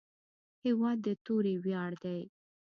هېواد د توري ویاړ دی.